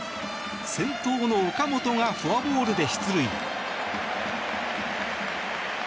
先頭の岡本がフォアボールで出塁。